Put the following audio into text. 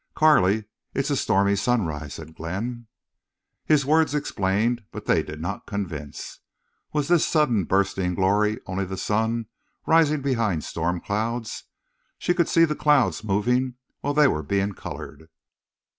"Carley, it's a stormy sunrise," said Glenn. His words explained, but they did not convince. Was this sudden bursting glory only the sun rising behind storm clouds? She could see the clouds moving while they were being colored.